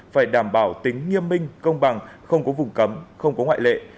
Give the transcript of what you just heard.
phải đảm bảo tính nghiêm minh công bằng không có vùng cấm không có ngoại lệ